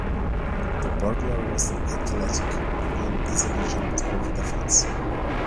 The burglar was athletic, and easily jumped over the fence.